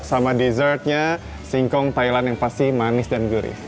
sama dessertnya singkong thailand yang pasti manis dan gurih